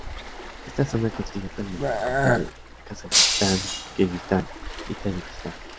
Esta zona constituye actualmente parte de Kazajistán, Kirguistán y Tayikistán.